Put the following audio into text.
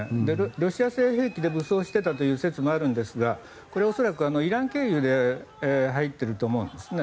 ロシア製兵器で武装していたという説もあるんですがこれ恐らく、イラン経由で入っていると思うんですね。